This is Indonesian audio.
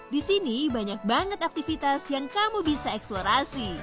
di sini banyak banget aktivitas yang kamu bisa eksplorasi